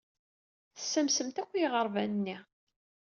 Tessamsemt akk i yiɣerban-nni.